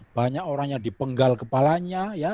banyak orang yang dipenggal kepalanya